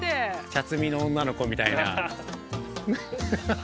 ◆茶摘みの女の子みたいな。